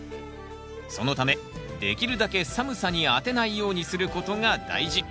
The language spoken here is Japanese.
そのためできるだけ寒さにあてないようにすることが大事。